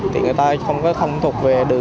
thì người ta không có thông thuộc về tỉnh ngoài